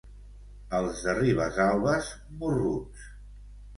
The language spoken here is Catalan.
Els de Ribesalbes, morruts.